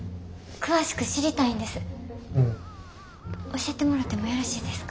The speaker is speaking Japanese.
教えてもらってもよろしいですか？